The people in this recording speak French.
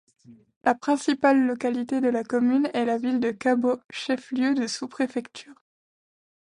La principale localité de la commune est la ville de Kabo, chef-lieu de sous-préfecture.